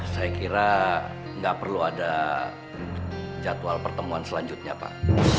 saya kira nggak perlu ada jadwal pertemuan selanjutnya pak